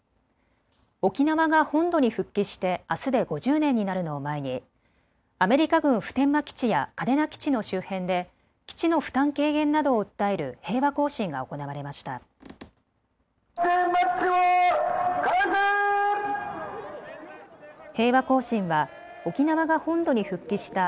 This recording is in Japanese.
沖縄が本土に復帰してあすで５０年になるのを前にアメリカ軍普天間基地や嘉手納基地の周辺で基地の負担軽減などを訴える平和行進が行われました。